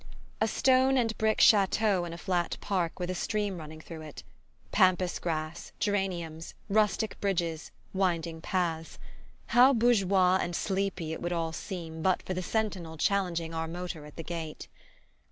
A stone and brick chateau in a flat park with a stream running through it. Pampas grass, geraniums, rustic bridges, winding paths: how bourgeois and sleepy it would all seem but for the sentinel challenging our motor at the gate!